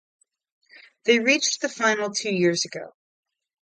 They reached the Final again two years later.